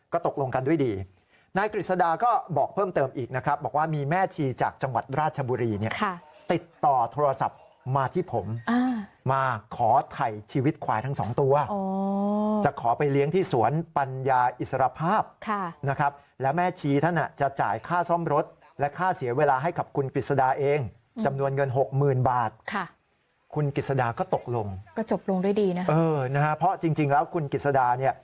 ก็ตกลงกันด้วยดีนายกฤษดาก็บอกเพิ่มเติมอีกนะครับบอกว่ามีแม่ชีจากจังหวัดราชบุรีเนี่ยค่ะติดต่อโทรศัพท์มาที่ผมอ่ามาขอไถ่ชีวิตควายทั้งสองตัวอ๋อจะขอไปเลี้ยงที่สวนปัญญาอิสรภาพค่ะนะครับแล้วแม่ชีท่าน่ะจะจ่ายค่าซ่อมรถและค่าเสียเวลาให้กับคุณกฤษด